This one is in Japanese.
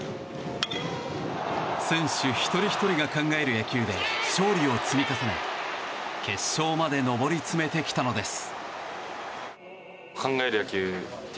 選手一人ひとりが考える野球で勝利を積み重ね決勝まで上り詰めてきたのです。